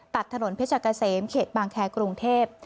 ตัดถนนเพชรเกษมเขตบางแครกรุงเทพ